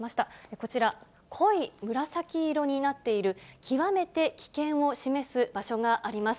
こちら、濃い紫色になっている極めて危険を示す場所があります。